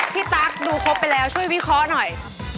ตั๊กดูครบไปแล้วช่วยวิเคราะห์หน่อย